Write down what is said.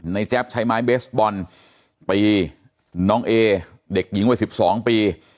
แจ๊บใช้ไม้เบสบอลตีน้องเอเด็กหญิงวัย๑๒ปี